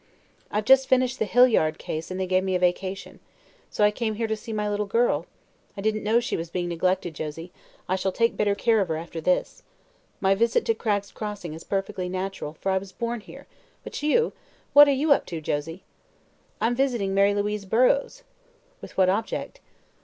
"I've just finished the Hillyard case and they gave me a vacation. So I came here to see my little girl. I didn't know she was being neglected, Josie. I shall take better care of her after this. My visit to Cragg's Crossing is perfectly natural, for I was born here. But you? What are you up to, Josie?" "I'm visiting Mary Louise Burrows." "With what object?"